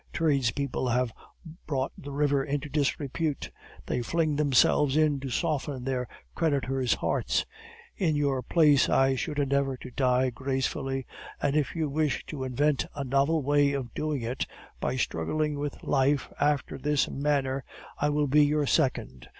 Tradespeople have brought the river into disrepute; they fling themselves in to soften their creditors' hearts. In your place I should endeavor to die gracefully; and if you wish to invent a novel way of doing it, by struggling with life after this manner, I will be your second.